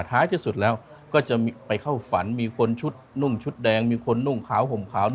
ท้ายที่สุดแล้วก็จะไปเข้าฝันมีคนชุดนุ่มชุดแดงมีคนนุ่งขาวห่มขาว